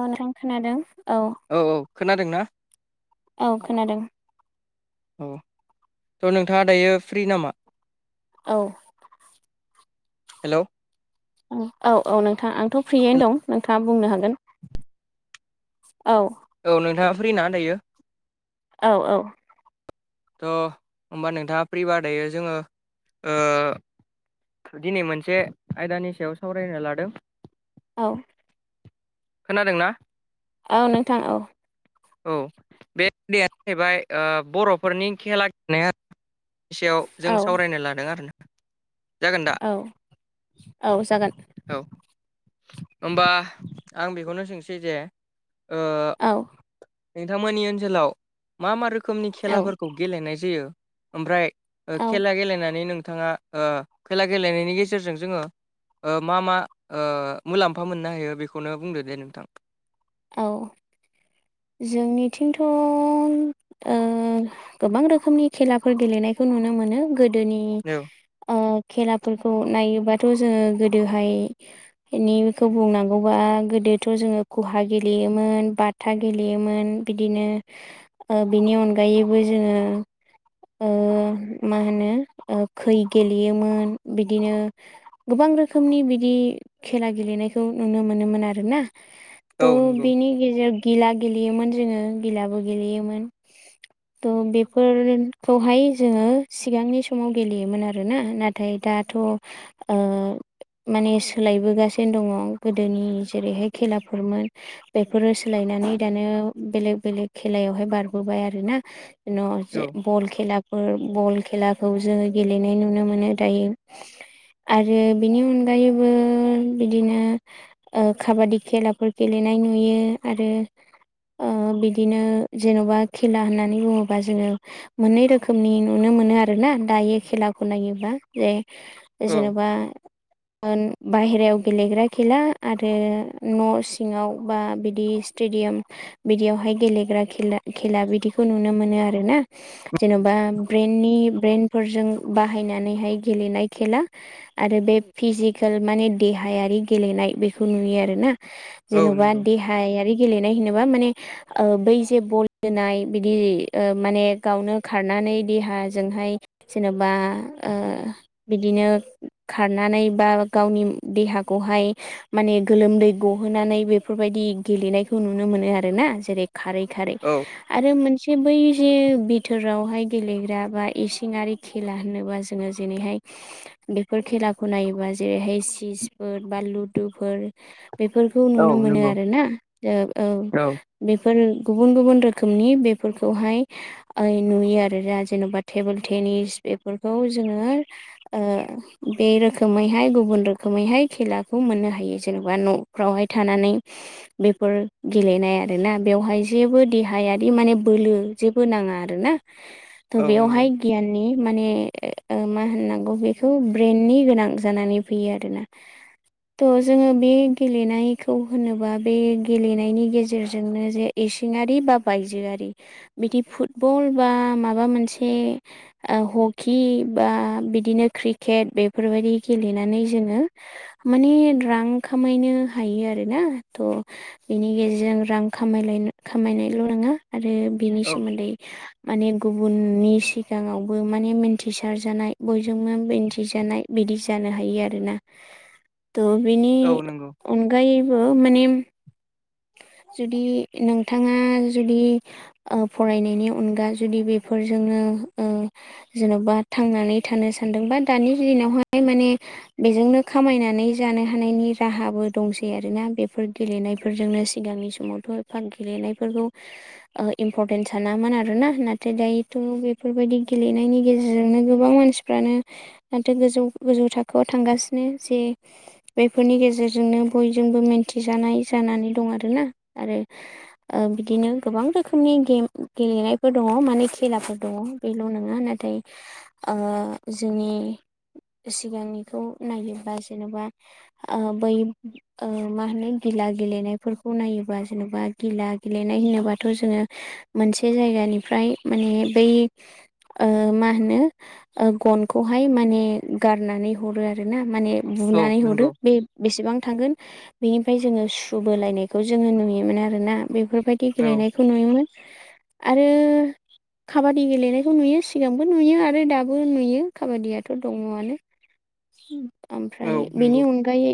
औ नोंथां खोनादों औ औ औ खोनादोंना? औ खोनादों। औ थ' नोंथाङा दायो फ्रि नामा? औ हेलौ ओं औ औ नोंथाङा आंथ' फ्रियैनो दं नोंथाङा बुंनो हागोन औ औ नोंथाङा फ्रि ना दायो? औ औ थ' होमबा नोंथाङा प्रिबार दायो जोङो ओ दिनै मोनसे आयदानि सायाव सावरायनो लादों। औ खोनादोंना? औ नोंथां औ औ बे आयदायानो जाहैबाय ओ बर'फोरनि खेला गेलेनायनि सायाव जों औ सावरायनो लादों आरो ना जागोन दा औ औ जागोन औ ओमबा आं बेखौनो सोंसैजे ओ औ नोंथांमोननि ओनसोलाव मा मा रोखोमनि औ खेलाफोरखौ गेलेनाय जायो ओमफ्राय ओ औ खेला गेलेनानै नोंथाङा खेला गेलेनायनि गेजेरजों जोङो ओ मा मा ओ मुलाम्फा मोननो हायो बेखौनो बुंदो दे नोंथां औ जोंनिथिंथ' ओ गोबां रोखोमनि खेलाफोर गेलेनायखौ नुनो मोनो गोदोनि औ ओ खेलाफोरखौ नायोबाथ' जोङो गोदोहाय इनिखौ बुंनांगौबा गोदोथ' जोङो खहा गेलेयोमोन बाथा गेलेयोमोन बिदिनो ओ बेनि अनगायैबो जोङो ओ मा होनो ओ खै गेलेयोमोन बिदिनो गोबां रोखोमनि बिदि खेला गेलेनायखौ नुनो मोनोमोन आरोना औ त' नंगौ बिनि गेजेराव गिला गेलेयोमोन जोङो गिलाबो गेलेयोमोन त' बेफोरखौहाय जोङो सिगांनि समाव गेलेयोमोन आरो ना नाथ थाय दाथ' ओ माने सोलायबोगासेनो दङ गोदोनि जेरैहाय खेलाफोरमोन बेफोरो सोलायनानै दानो बेलेग बेलेग खेलायावहाय बारबोबाय आरो ना? न'जे औ बल खेलाग फोर बल खेलाखौ जोङो गेलेनाय नुनो मोनो दायो। आरो बिनि अनगायैबो बिदिनो ओ काबादि खेलाफोर गेलेनाय नुयो आरो ओ बिदिनो जेन'बा खेला होननानै बुङोबा जोङो मोननै रोखोमनि नुनो मोनो आरो ना दायो खेलाखौ नायोब्ला जे औ जेनेबा ओन बायेरायाव गेलेग्रा खेला आरो न' सि ङाव बा बिदि स्टेडियाम बिदियावहाय गेलेग्रा खेला खेला बिदिखौ नुनो मोनो आरो ना जेन'बा ब्रेननि ब्रेइनफोरजों बाहायनानैहाय गेलेनाय खेला। आरो बे फिजिकेल माने देहायारि गेलेनाय बेखौ नुयो आरोना। औ जेन'बा नंगौ देहायारि गेलेनाय होनोबा माने ओ बै जे बल जोनाय बिदि ओ माने गावनो खारनानै देहाजोंहाय जेनेबाओ बिदिनो खारनानै बा गावनि देहाखौहाय माने गोलोमदै गहोनानै बेफोरबायदि गेलेनायखौ नुनो मोनो आरोना जेरै खारै खारै औ आरो मोनसे बै जे बिथोरावहाय गेलेग्रा बा इसिंआरि खेला होनोबा जोङो जेरैहाय बेफोर खेलाखौ नायोबा जेरैहाय चिसफोर बा लुदुफोर बेफोरखौ औ नुनो मोनो नंगौ आरोना ओ औ बेफोर गुबुन गुबुन रोखोमनि बेफोरखौहाय ओ नुयो आरो दा जेन'बा टेबोल टेनिस बेफोरखौ जोङो ओ बे रोखोमैहाय गुबुन रोखोमैहाय खेलाखौ मोननो हायो जेनेबा न'फ्रावहाय थानानै [inaudible] बेफोर गेलेनाय आरो ना बेवहाय जेबो देहायारि माने बोलो जेबो नाङा आरो ना। [inaudible] थ' बेयावहाय गियाननि माने ओ मा होननांगौ बेखौ ब्रेइेननि गोनां जानानै फैयो आरोना। थ' जोङो बे गेलेनायखौ होनोबा बे गेलेनायनि गेजेरजोंनो जे इसिङारि बा बायजोआरि बिदि फुटबल बा माबा मोनसे ओ हकि बा बिदिनो क्रिकेट बेफोरबायदि गेलेनानै जोङो माने रां खामायनो हायो आरो ना थ' बिनि गेजेरजों रां खामायलाय खामायनायल' नङा आरो बेनि औ सोमोन्दै माने गुबुननि सिगाङावबो माने मिन्थिसारजानाय बयजोंबो मिन्थिजानाय बिदि जानो हायो आरोना। [inaudible] थ' बेनि औ नंगौ अनगायैबो माने जुदि नोंथाङा जुदि ओ फरायनायनि अनगा जुदि बेफोरजोंनो ओ जेन'बा थांनानै थानो सानदों बा दानि दिनावहाय माने बेजोंनो खामायनानै जानो हानायनि राहाबो दंसै आरोना बेफोर गेलेनाय बे फोरजोंनो सिगांनि समावथ' एफा गेलेनायफोरखौ इम्परटेन्स सानामोन आरो ना नाथाय दायोथ' बेफोरबायदि गेलेनायनि गेजेरजोंनो गोबां मानसिफ्रानो दाथो गोजौ गोजौ थाखोआव थांगासिनो जे बेफोरनि गेजेरजोंनो बयजोंबो मिन्थिजानाय जानानै दं आरोना आरो ओ बिदिनो गोबां रोखोमनि गेम गेलेनायफोर दङ माने खेलाफोर दङ बेल' नङा नाथाय ओ जोंनि सिगांनिखौ नायोबा जेन'बा ओ बै ओ मा होनो गिला गेलेनायफोरखौ नायोबा जेन'बा घिला गेलेनाय होनोबाथ' जोङो मोनसे जायगानिफ्राय माने बै। ओ मा होनो ओ गनखौहाय माने गारनानै हरो आरो ना माने औ बुनानै हरो नंगौ बे बेसेबां थांगोन बेनि ओमफ्राय जोङो सु बोलायनायखौ जोङो नुयोमोन आर ना बेफोरबायदि औ गेलेनायखौ नुयोमोन आरो खाबादि गेलेनायखौ नुयो सिगांबो नुयो आरो दाबो नुयो खाबादियाथ' दङआनो औ ओमफ्राय बेनि नंगौ अनगायै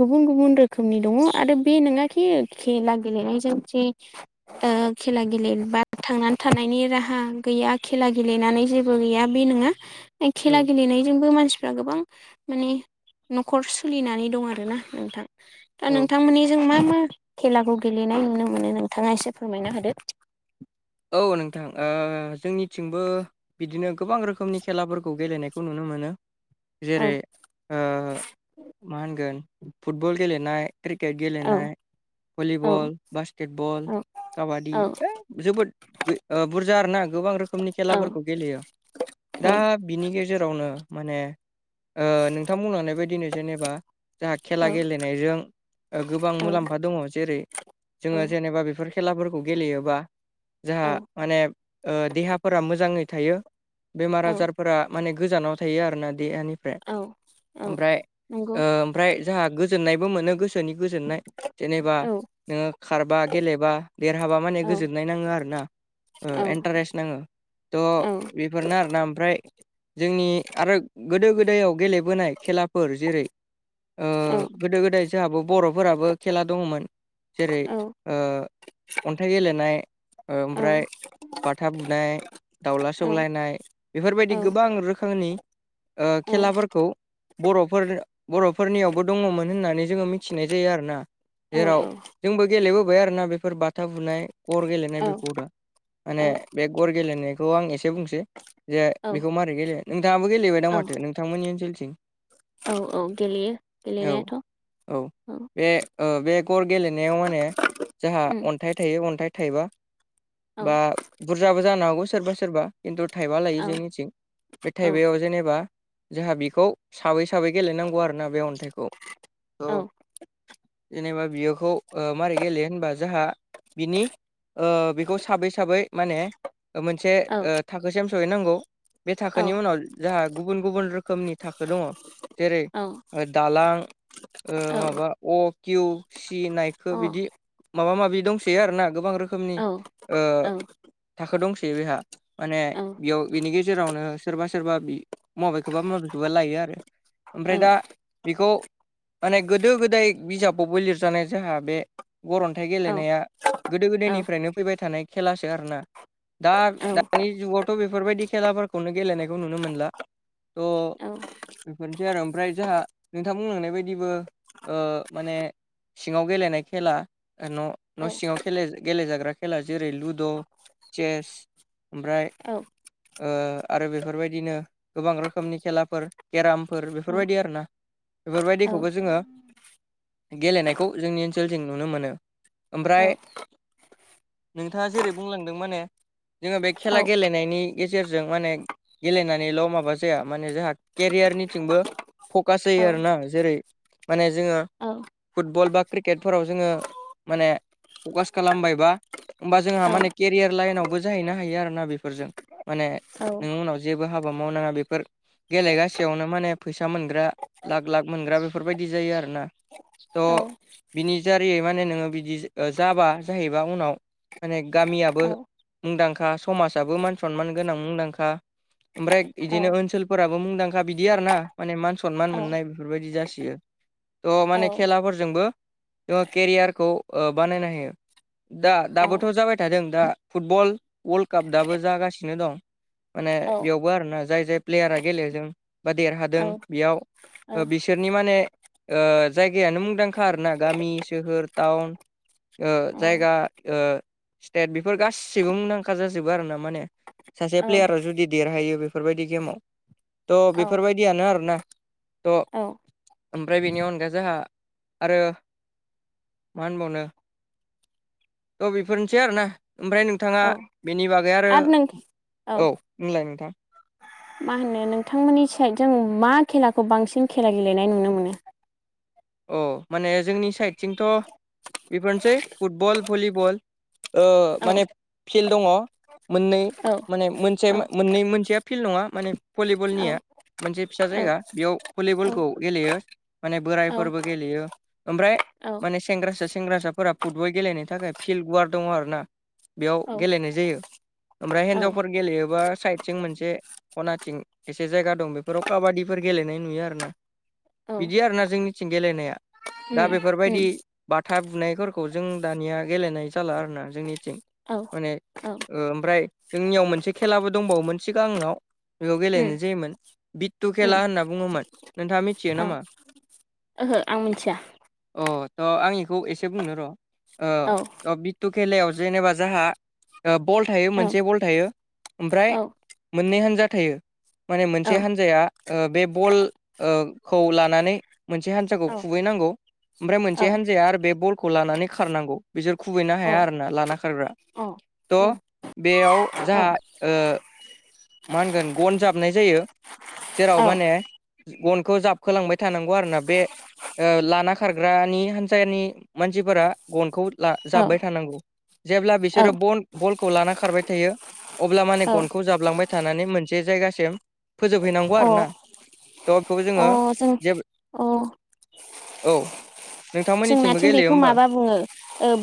गुबुन गुबुन रोख रोखोमनि दङ आरो बे नङााखि खेला गेलेनायजों जे खेला गेलेबा थांनानै थानायनि राहा गैया खेला गेलेनानै जेबो गैया बे नङा खेला औ गेलेनायजोंबो मानसिफ्रा गोबां माने न'खर सोलिनानै दं आरोना नोंथां। दा औ नोंथांमोननि जों मा मा खेलाखौ गेलेनाय नुनो मोनो नोंथाङा एसे फोरमायनो हादो। औ नोंथां ओ जोंनिथिंबो बिदिनो गोबां रोखोमनि खेलाफोरखौ गेलेनायखौ नुनो मोनो औ जेरै ओ मा होनगोन फुटबल गेलेनाय क्रिकेट औ गेलेनाय औ भलिबल बास्केटबल औ काबादि औ जोबोद बुरजा आर ना गोबां रोखोमनि औ खेलाफोरखौ गेलेयो दा बिनि गेजेरावनो माने ओ नोंथां बुंलांनाय बायदिनो जेनेबा जाहा औ खेला गेलेनायजों गोबां मुलाम्फा दङ जेरै औ जोङो जेनेबा बेफोर खेलाफोरखौ गेलेयोबा जाहा औ माने देहाफोरा मोजाङै थायो। बेमार औ आजारफोरा माने गोजानाव थायो आरोना देहानिफ्राय औ औ ओमफ्राय नंगौ ओमफ्राय जोंहा गोजोननायबो मोनो गोसोनि गोजोननाय जेनेबा औ नोङो खारबा गेलेबा देरहाबा माने औ गोजोननाय नाङो आरोना ओ औ एन इन्टारेस्ट नाङो औ थ' बेफोरनो आरोना ओमफ्राय जोंनि आरो गोदो गोदायाव गेलेबोनाय खेलाफोर जेरै ओ औ गोदो गोदाय जोंहाबो बर'फोराबो खेला दङमोन। जेरै औ ओ अन्थाइ गेलेनाय औ ओमफ्राय बाथा बुनाय दावला औ सौलायनाय बेफोरबायदि औ गोबां रोखोम फोरनि खेलाफोरखौ बर'फोर बर'फोरनियावबो दङमोन होननानै जोङो मिथिनाय जायो आरोना। जेराव औ जोंबो गेलेबोबाय आरो ना बेफोर बाथा बुनाय गर गेलेनाय बेखौ खौ दा माने बे गर गेलेनायखौ आं एसे बुंसै जे औ बेखौ मारै गेलेयो नोंथाङाबो गेलेबाय दा माथो नोंथांमोननि ओनसोलथिं औ गेलेयो औ गेलेनायाथ' औ बे ओ बे गर गेलेनायाव माने जाहा उम अन्थाइ थायो अन्थाइ थायोबा औ बा बुरजाबो जानो हागौ सोरबा सोरबा खिन्थु थाइबा औ लायो जोंनिथिं बे औ थाइबयाव जेनेबा जोंहा बिखौ साबै साबै गेलेनांगौ आरोना बे अन्थाइखौ औ जेनेबा बियोखौ मारै गेले होनबा जोंहा बिनि ओ बेखौ साबै साबै माने मोनसे औ ओ थाखोसिम सहैनांगौ बे औ अ थाखोनि उनाव जोंहा गुबुन गुबुन रोखोमनि थाखो दङ जेरै दालां ओ औ माबा अ किउ सि नायखौ औ बिदि औ माबा माबि दंसै आरोना गोबां रोखोमनि औ ओ औ थाखो दंसैयो बेहा माने बेयाव बिनि गेजेरावनो सोरबा सोरबा मबेखौबा मबेखौबा लायो आरो ओमफ्राय दा बेखौ माने गोदो गोदाय बिजाबावबो लिरजानाय जोंहा बे गरन्थाइ गेलेनाया गोदो गोदायनिफ्रायनो फैबाय थानाय खेलासो आरोना दा दानि जुगावथ' बेफोरबायदि खेलाफोरखौनो गेलेनायखौ नुनो मोनला। थ' औ बेफोरनोसै आरो ओमफ्राय जोंहा नोंथां बुंलांनाय बायदिबो माने सिङाव गेलेनाय खेला न' न' सिङाव गेलेजाग्रा खेला जेरै लुद' चेस ओमफ्राय आरो बेफोरबायदिनो गोबां रोखोमनि खेलाफोर केरामफोर बेफोरबायदि आर ना बेफोरबायदिखौबो जोङो गेलेनायखौ जोंनि ओनसोलजों नुनो मोनो ओमफ्राय नोंथाङा जेरै बुंलांदों माने जोङो बे खेला गेलेनायनि गेजेरजों माने गेलेनानैल' माबा जाया माने जोंहा केरियारनिथिंबो फकास जायो आरोना जेरै माने जोङो फुटबल बा क्रिकेटफोराव जोङो माने फकास खालामबायबा होमबा जोंहा माने केरियार लाइनावबो जाहैनो हायो आरोना बेफोरजों माने नों उनाव जेबो हाबा मावनाङा बेफोर गेलेगासियावनो माने फैसा मोनग्रा लाख लाख मोनग्रा बेफोरबायदि जायो आरो ना थ औ बिनि दारैै माने नोंङो बिदि जाबा जाहैबाया उनाव माने गामियाबो औ मुंदांखा समाजाबो मान सनमान गोनां मुंदांखा ओमफ्राय बिदिनो आरो ओनसोलफोराबो मुंदांखा बिदि आर ना माने मान सनमान नों मोननाय बेफोरबायदि जासियो थह माने खेलाफोरजोंबो जोङो केरियारखौ बानायनो हायो दा औ दाबोथ' जाबाय थादों दा फुटबल वर्ल्ड काप दाबो जागासिनो दं माने बेयावबो आरोना जाय जाय प्लेयारा गेलेदों बा देरहादों बेयाव बिसोरनि माने जायगायानो मुंदांखा आर ना गामि सोहोर टाउन जायगा स्टेट बेफोर गासैबो मुंदांखा जाजोबो आरोोना माने सासे प्लेयारा जुदि देरहायो बेफोरबायदि गेमाव थ' बेफोरबायदियानो आरोना थ' ओमफ्राय बेनि अनगा जोंहा आरो मा होनबावनो थ' बेफोरनोसै आरोोना ओमफ्राय नोंथाङा बेनि बागै आरो औ नलाय नोंथां मा होनो नोंथांमोननि साइड जों मा खेलाखौ बांसिन खेला गेलेनाय नुनो मोनो औ माने जोंनि साइडथिंथ' बेफोरनोसै फुटबल भलिबल औ माने फिल्ड दङ मोननै औ माने मोनसे औ मोननै मोनसेया फिल्ड नङा माने औ भलिबलनिया मोनसे फिसा औ जायगा बेयाव औ भलिबलखौ गेलेयो माने बोराय औ फोरबो गेलेयो ओमफ्राय औ माने सेंग्रासा सेंग्रासाफोरा फुटबल गेलेनो थाखाय फिल्ड वार दङ आरो ना बेयाव औ गेलेनाय जायो ओमफ्राय औ हिन्जावफोर गेलेयोबा साइद सिं मोनसे खनाथिं एसे जायगा दं बेफोराव काबादिफोर गेलेनाय नुयो आरोोना औ बिदि आरोना जोंनि बारथिं गेलेनाया दा उम बेफोरबायदि उम बाथा बुनायफोरखौ जों दानिया गेलेनाय जाला आरोना जोंनिथिं औ माने ओमफ्राय जोंनियाव मोनसे खेलाबो दंबावोमोन सिगाङाव बेयाव उम गेलेनाय जायोमोन बि्टु उम खेला होनना बुङोमोन नोंथाङा मिथियो औ नामा ओहो आं मिथिया अ त' आं बेखौ एसे बुंनो र' औ टु खेलायाव जेनेबा जोंहा बल थायो औ मोनसे बल थायो ओमफ्राय औ मोननै हान्जा थायो माने औ मोनसे हान्जाया बे बलखौ लानानै मोनसे हान्सााखौ औ खुबैनांगौ ओमफ्राय मोनसे हान्जाया आरो बे बलखौ लानानै खारनांगौ बिसोर खुबैनो औ हाया आरो ना लाना खारग्रा उम औ थह बेयाव जाहा मा होनगोन गन जाबनाय जायो औ जेराव माने गनखौ जाबखोलांबाय थानांगौ आरोोना बे लाना खारग्रानि हानसानि मानसिफोरा गनखौ जाब्बाय थानांगौ जेब्ला बिसोरो बलखौ लाना खारबाय थायो अब्ला माने गनखौ जाबलांबाय थानानै मोनसे जायगासिम फोजोबहैनांगौ अ आरो ना थ' बेखौबो जोङो अ जों जे अ औ नोंथांमोननि ननाथिं बेखौ माबा बुङो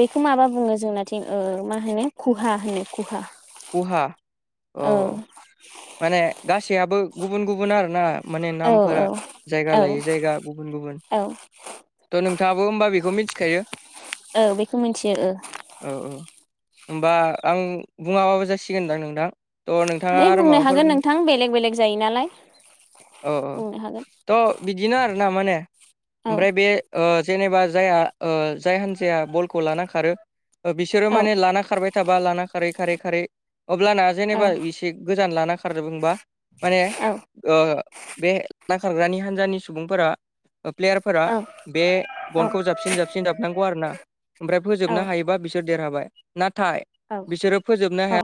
बेखौ माबा बुङो जोंनाथिं मा होनो खहा होनो खुहा गहाा औ माने गासैयबो गुबुन गुबुन आर ना माने औ नामफोरा औ जायगा औ लायै जायगा गुबुन गुबुन औ थ' नोंथाङाबो होमबा बेखौ मिथिखायो औ बेखौ मिथियो औ औ होनोमबा आं बुङाबाबो जासिगोनदां नोंदां थ' नोंथाङा दे आरो बुंनो माबा हागोन नोंथां बेलेग बेलेग जायो नालाय औ बुंनो हागोन थ' बिदिनो आर ना माने औ ओमफ्राय बे जेनेबा जायहा जाय हान्जाया बलखौ लाना खारो बिसोरो औ माने लाना खारबाय थाबा लाना खारै खारै खारै अब्लाना औ जेनेबा एसे गोजान लाना खारो बुंबा माने औ बे नखारारग्रानि हान्जानि सुबुंफोरा प्लेयारफोरा औ बे गनखौ जाबसिन जाबसिन जाबनांगौ आरो ना ओमफ्राय औ फोजोबनो हायोबा बिसोर देरहाबाय नाथाय औ बिसोरो फोजोबनो हाया औ